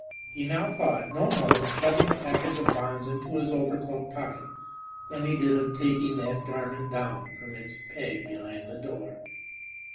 He now thought no more of shoving a package of bonds into his overcoat pocket than he did of taking that garment down from its peg behind the door.